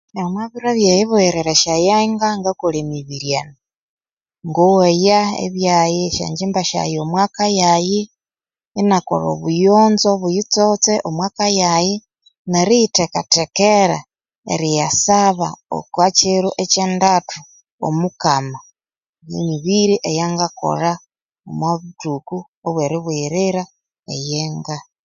Omubiro ebyeri buyirira esya yenga ngakolha emibiri eno, ngoghaya esyangyimba syaghe omwa'ka yaghi , inakolha obuyonzo obuyitsotse omw'aka yaghi neriyi theka-thekera eriya saba oko kiro ekye ndathu omukama, emibiri eyangakolha omubuthuku ebweri bughirira eyenga.